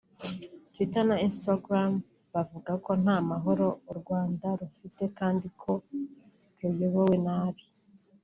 Twitter na Instagram bavuga ko nta mahoro u Rwanda rufite kandi ko ruyobowe nabi